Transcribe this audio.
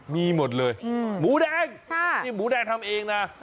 มีหมดเลยหมูแดงนี่หมูแดงทำเองนะ